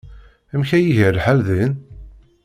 Amek ay iga lḥal din?